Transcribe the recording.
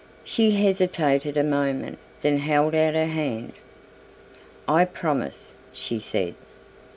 She hesitated a moment, then held out her hand. "I promise," she said.